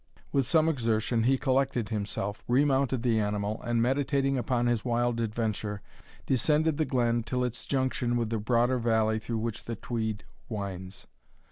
With some exertion he collected himself, remounted the animal, and meditating upon his wild adventure, descended the glen till its junction with the broader valley through which the Tweed winds.